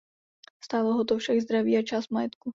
Stálo ho to však zdraví a část majetku.